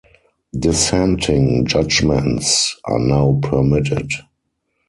Dissenting judgments are now permitted.